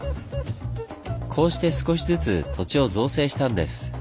こうして少しずつ土地を造成したんです。